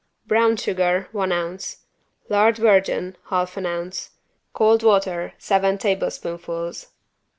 Brown sugar, one ounce. Lard virgin, half an ounce. Cold water, seven tablespoonfuls.